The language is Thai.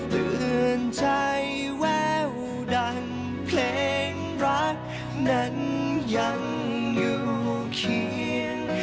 เตือนใจแววดังเพลงรักนั้นยังอยู่เคียง